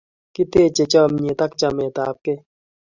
kiteje chamiet ak chamet ab kee